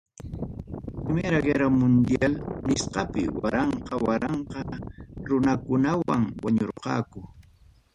Primera Guerra Mundial nisqapi waranqa waranqa runakunam wañurqaku.